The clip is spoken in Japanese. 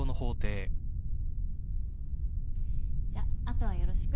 じゃ後はよろしく。